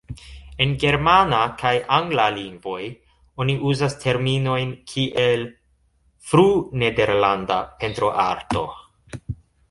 En germana kaj angla lingvoj oni uzas terminojn kiel "fru-nederlanda pentroarto".